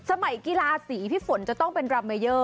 สมัยกีฬาสีพี่ฝนจะต้องเป็นราเมเยอร์